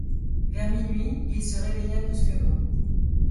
Vers minuit, il se réveilla brusquement.